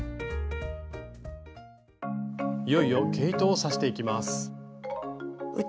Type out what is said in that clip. いよいよ毛糸を刺していきます。